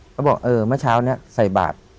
เขาบอกเออเมื่อเช้านี้ใส่บาท